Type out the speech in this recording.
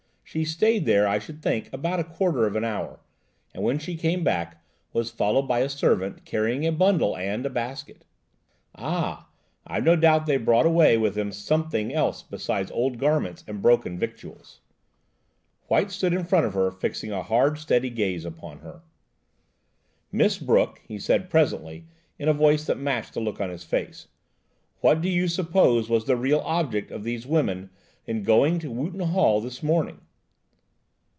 She stayed there, I should think, about a quarter of an hour, and when she came back, was followed by a servant, carrying a bundle and a basket." "Ah! I've no doubt they brought away with them something else beside old garments and broken victuals." White stood in front of her, fixing a hard, steady gaze upon her. "Miss Brooke," he said presently, in a voice that matched the look on his face, "what do you suppose was the real object of these women in going to Wootton Hall this morning?"